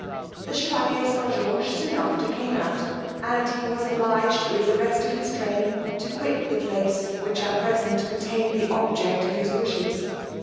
The Chevalier St. George soon after came out, and he was obliged with the rest of his train to quit the place, which at present contained the object of his wishes.